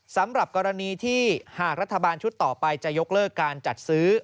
สำหรับกรณีที่หากรัฐบาลชุดต่อไปจะยกเลิกการจัดซื้อ